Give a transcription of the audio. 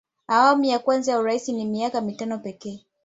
awamu ya kwanza ya urais ni miaka mitano pekee